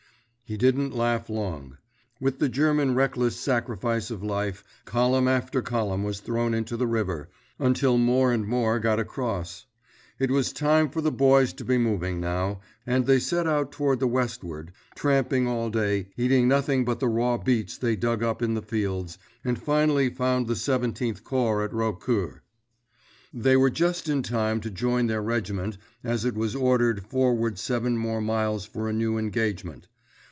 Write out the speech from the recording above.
He didn't laugh long. With the German reckless sacrifice of life, column after column was thrown into the river, until more and more got across. It was time for the boys to be moving now, and they set out toward the westward, tramped all day, eating nothing but the raw beets they dug up in the fields, and finally found the Seventeenth Corps at Raucourt. They were just in time to join their regiment as it was ordered forward seven more miles for a new engagement.